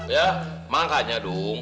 ya makanya dong